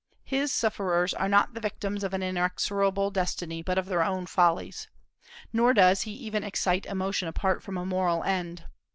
His sufferers are not the victims of an inexorable destiny, but of their own follies. Nor does he even excite emotion apart from a moral end.